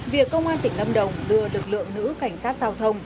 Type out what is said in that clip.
việc công an tỉnh lâm đồng đưa lực lượng nữ cảnh sát giao thông